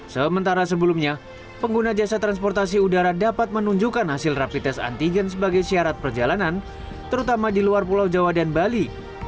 sementara sebelumnya pengguna jasa transportasi udara dapat menunjukkan hasil rapi tes antigen sebagai syarat perjalanan terutama di luar pulau jawa dan bali